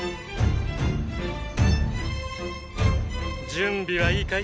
準備はいいかい？